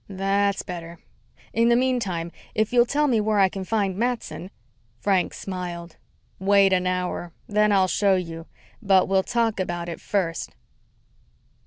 "That's better. In the meantime, if you'll tell me where I can find Matson " Frank smiled. "Wait an hour. Then I'll show you. But we'll talk about it first."